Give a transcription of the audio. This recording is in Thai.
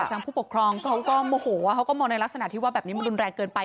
ผู้ปกครองเขาก็โมโหเขาก็มองในลักษณะที่ว่าแบบนี้มันรุนแรงเกินไป